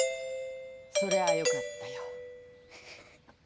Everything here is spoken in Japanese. そりゃあよかったよ。